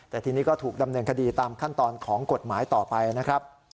แต่ทีนี้ก็ถูกดำเนินคดีตามขั้นตอนของกฎหมายต่อไปนะครับ